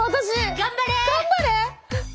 頑張れ！